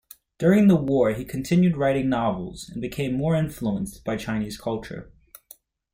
During the war he continued writing novels, and became more influenced by Chinese culture.